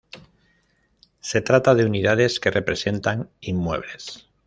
Se trata de unidades que representan inmuebles.